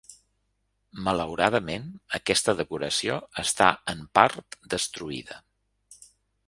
Malauradament, aquesta decoració està en part destruïda.